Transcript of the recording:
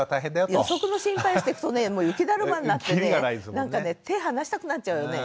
予測の心配をしてくとね雪だるまになってねなんかね手はなしたくなっちゃうよね。